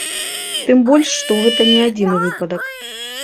Тым больш, што гэта не адзіны выпадак.